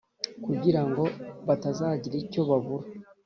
kugira ngo batazagira icyo babura.